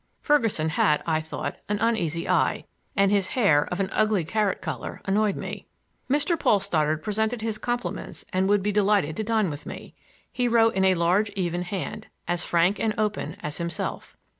Ferguson had, I thought, an uneasy eye, and his hair, of an ugly carrot color, annoyed me. Mr. Paul Stoddard presented his compliments and would be delighted to dine with me. He wrote a large even hand, as frank and open as himself.